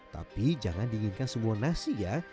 tapi jangan diinginkan semua nasi ya